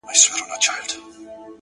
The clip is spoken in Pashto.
o د پامیر لوري یه د ښکلي اریانا لوري ـ